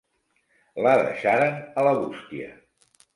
La deixaran a la bústia.